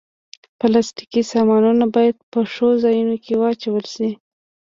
پلاستيکي سامانونه باید په ښو ځایونو کې واچول شي.